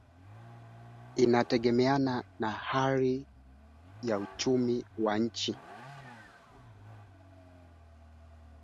Uchumi unaendelea kukabiliwa na shinikizo kubwa la mfumuko wa bei kutokana na mazingira ya nje